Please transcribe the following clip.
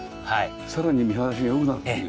さらに見晴らしが良くなるっていう。